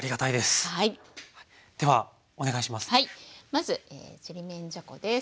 まずちりめんじゃこです。